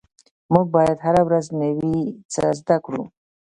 مونږ باید هره ورځ نوي څه زده کړو